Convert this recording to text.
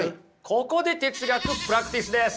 ここで哲学プラクティスです！